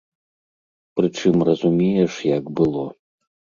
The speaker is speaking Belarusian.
Прычым разумееш, як было.